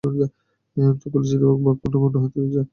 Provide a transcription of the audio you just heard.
জঙ্গলে চিতাবাঘ, বাঘ, বন্য হাতি রয়েছে।